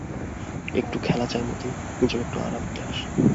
একটু খেলা চায় মতি, নিজের একটু আরাম বিলাস।